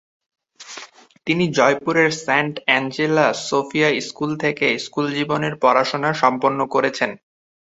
তিনি জয়পুরের saint Angela Sophia school থেকে স্কুল জীবনের পড়াশোনা সম্পন্ন করেছেন।